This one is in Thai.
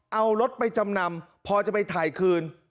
เอารถไปจำนำพอจะไปถ่ายคืน